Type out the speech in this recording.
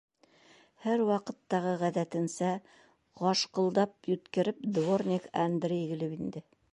Һәр ваҡыттағы ғәҙәтенсә, ҡажҡылдап йүткереп, дворник Андрей килеп инде.